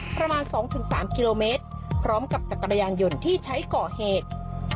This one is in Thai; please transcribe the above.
ประมาณ๒๓กิโลเมตรพร้อมกับจักรยานยนต์ที่ใช้ก่อเหตุ